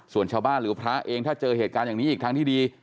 ส่วนชาวบ้านหรือพระเองถ้าเจอเหตุการณ์อย่างนี้อีกทางที่ดี